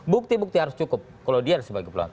bukti bukti harus cukup kalau dia sebagai pelanggar